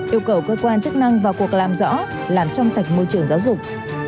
yêu cầu cơ quan chức năng vào cuộc làm rõ làm trong sạch môi trường giáo dục